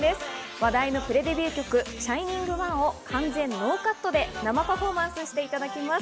話題のプレデビュー曲『ＳｈｉｎｉｎｇＯｎｅ』を完全ノーカットで生パフォーマンスしていただきます。